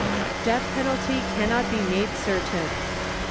DEATH PENALTY CANNOT BE MADE CERTAIN.